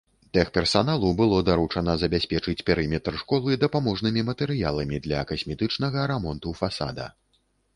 Тэхперсаналу было даручана забяспечыць перыметр школы дапаможнымі матэрыяламі для касметычнага рамонту фасада.